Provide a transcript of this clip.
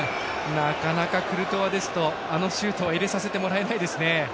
なかなかクルトワですとあのシュートは入れさせてもらえないですね。